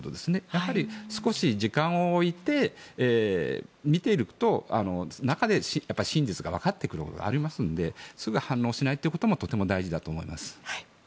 やっぱり少し時間を置いて見ているとその中で、真実がわかってくることがありますのですぐ反応しないということがとても大事だと思います。